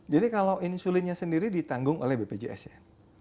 jadi kalau insulinnya sendiri ditanggung oleh bpjs ya